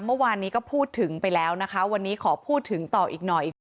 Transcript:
เมื่อวานนี้ก็พูดถึงไปแล้วนะคะวันนี้ขอพูดถึงต่ออีกหน่อย